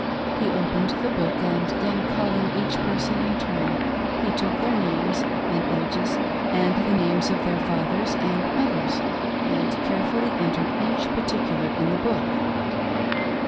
He opened the book, and then calling each person in turn, he took their names and ages and the names of their fathers and mothers, and carefully en tered eacli particular in the book.